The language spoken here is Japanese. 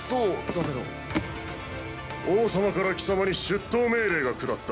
王様から貴様に出頭命令が下った。